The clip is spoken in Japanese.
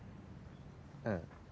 うん。